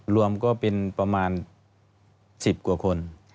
รวมก็เป็นประมาณ๑๐กว่าคน